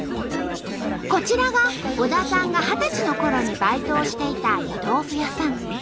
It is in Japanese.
こちらが小田さんが二十歳のころにバイトをしていた湯豆腐屋さん。